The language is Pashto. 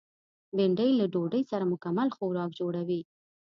بېنډۍ له ډوډۍ سره مکمل خوراک جوړوي